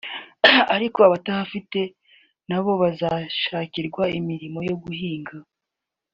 ariko abatahafite nabo bazashakirwa imirima yo guhinga